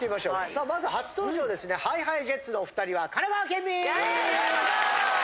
さあまず初登場ですねＨｉＨｉＪｅｔｓのお２人は神奈川県民！